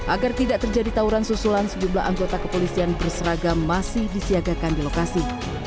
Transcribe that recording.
agar tidak terjadi tawuran susulan sejumlah anggota kepolisian berseragam masih disiagakan di lokasi